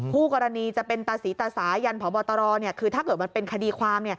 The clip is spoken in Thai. คู่กรณีจะเป็นตาศรีตาสายันพบตรคือถ้าเกิดมันเป็นคดีความ